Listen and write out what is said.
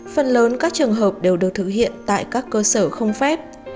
phần lớn các trường hợp đều được thực hiện tại các cơ sở không phép